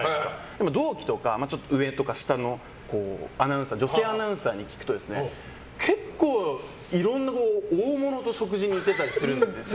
でも、同期とかちょっと上とか下の女性アナウンサーに聞くと結構いろんな大物と食事に行ってたりするんですよ